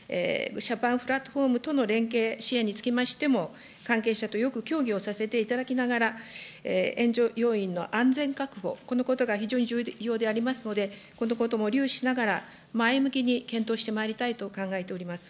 ジャパンプラットフォームとの連携支援につきましても、関係者とよく協議をさせていただきながら、援助要員の安全確保、このことが非常に重要でありますので、このことも留意しながら、前向きに検討してまいりたいと考えております。